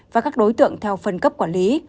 và các đối tượng theo phân cấp quản lý